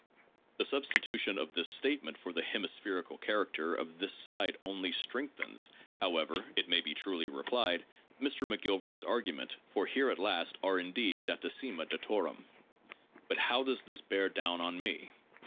'' The substitution of this statement for the hemispherical character of this side only strengthens, however (it may be truly replied) Mr. McGilvary's argument, for here at last are indeed datissima datorum. But how does this bear down on me?